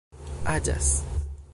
aĝas